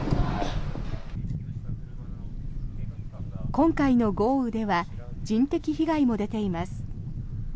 今回の豪雨では人的被害も出ています。